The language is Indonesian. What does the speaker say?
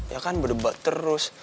ya kan berdebat terus